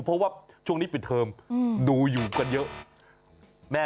เพราะว่าช่วงนี้ปิดเทิมดูอยู่กันเยอะ